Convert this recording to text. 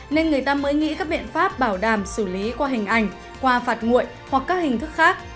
nên người ta mới nghĩ các biện pháp bảo đảm xử lý qua hình ảnh qua phạt nguội hoặc các hình thức khác